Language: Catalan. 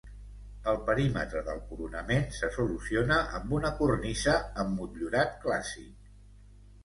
El perímetre del coronament se soluciona amb una cornisa amb motllurat clàssic.